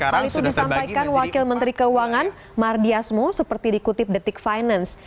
hal itu disampaikan wakil menteri keuangan mardiasmo seperti dikutip detik finance